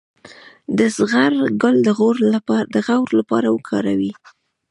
د زغر ګل د غوړ لپاره وکاروئ